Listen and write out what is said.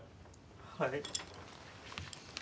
はい。